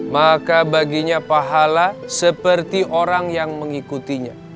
maka baginya pahala seperti orang yang mengikutinya